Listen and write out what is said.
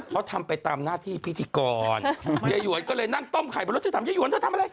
เขาทำไปตามหน้าที่พิธีกรยายหวนก็เลยนั่งต้มไข่บนรถฉันถามยายหวนเธอทำอะไร